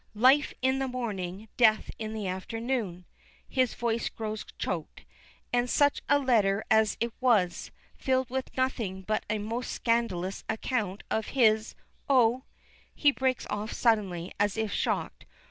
Life in the morning, death in the afternoon!" His voice grows choked. "And such a letter as it was, filled with nothing but a most scandalous account of his Oh!" he breaks off suddenly as if shocked.